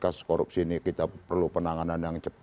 karena kasus korupsi ini kita perlu penanganan yang cukup